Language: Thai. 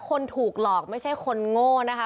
คนถูกหลอกไม่ใช่คนโง่นะคะ